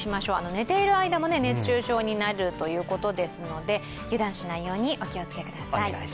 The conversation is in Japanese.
寝ている間も熱中症になるということなので油断しないようにお気をつけください。